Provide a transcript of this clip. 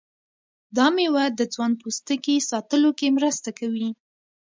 دا میوه د ځوان پوستکي ساتلو کې مرسته کوي.